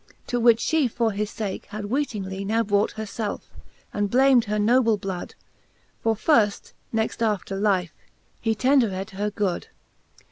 To which fhe for his fake had weetingly Now brought herfelfe, and blam'd her noble blood: For firft, next after life, he tendered her good.